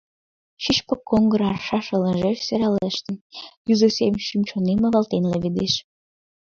Шӱшпык оҥгыр аршаш ылыжеш сӧралештын, Юзо сем шӱм-чонем авалтен леведеш.